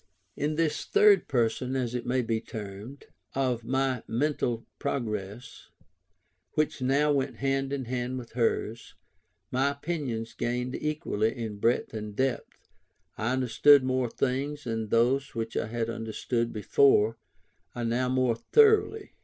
In this third period (as it may be termed) of my mental progress, which now went hand in hand with hers, my opinions gained equally in breadth and depth, I understood more things, and those which I had understood before I now understood more thoroughly.